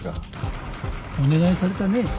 お願いされたね。